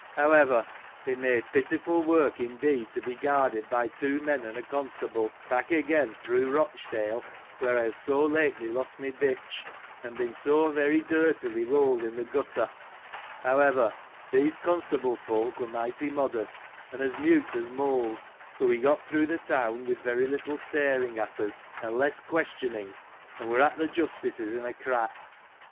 However, it made pitiful work indeed, to be guarded by two men, and a constable, back again, through Eochdale, where I had so lately lost my bitch, and been so very dirtily rolled in the gutter ! However, these constable folk were mighty modest, and as mute as moles ; for we got through the town, with very little staring at us, and less questioning, and were at th' Justice's in a crack.